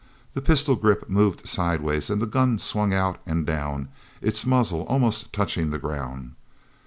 The pistol grip moved sideways, and the gun swung out and down, its muzzle almost touching the ground.